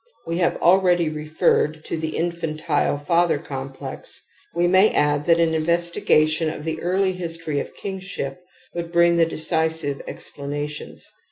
We have already referred to the infantile father complex ; we may add that an investigation of the early history of kingship would bring the decisive explanations.